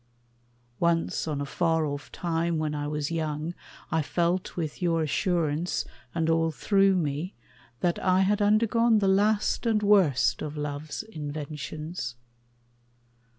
Once on a far off time when I was young, I felt with your assurance, and all through me, That I had undergone the last and worst Of love's inventions.